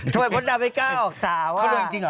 ทำไมมดดำเพียงกาออกสาวอ่ะ